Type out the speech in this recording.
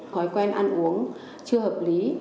khói quen ăn uống chưa hợp lý